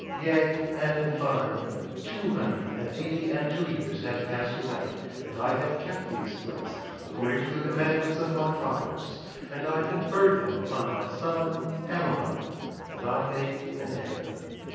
Yea, and in fine, two hundred and eighty and two years had passed away, and I had kept these plates according to the commandments of my fathers; and I conferred them upon my son Amaron. And I make an end.